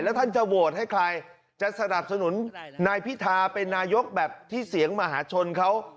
แล้วท่านจะโหวตให้ใครจะสนับสนุนนายพิธาเป็นนายกแบบที่เสียงมหาชนเขา